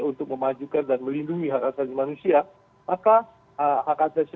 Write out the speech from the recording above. untuk memajukan dan melindungi hak asasi manusia maka hak asasi manusia